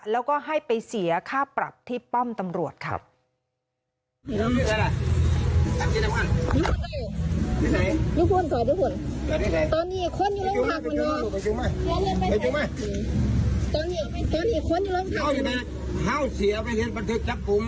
แล้วก็ให้ไปเสียค่าปรับที่ป้อมตำรวจครับ